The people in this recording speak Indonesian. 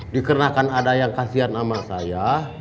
dikarenakan ada yang kasihan sama saya